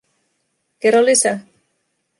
Kerro lisää.